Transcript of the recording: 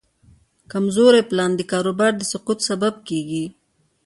کمزوری پلان د کاروبار د سقوط سبب کېږي.